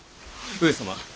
上様！